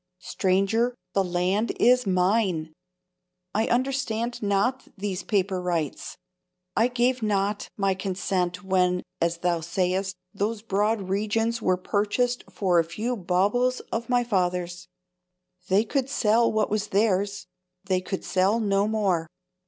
Stranger, the land is mine! I understand not these paper rights; I gave not my consent when, as thou sayest, those broad regions were purchased for a few baubles of my fathers. They could sell what was theirs; they could sell no more.